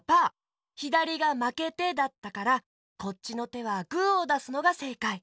ひだりが「まけて」だったからこっちのてはグーをだすのがせいかい！